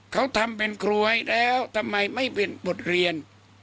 เขาทำเป็นกรวยแล้วทำไมไม่เป็นบทเรียน